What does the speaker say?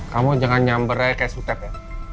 kamu jangan nyambere kayak sutek ya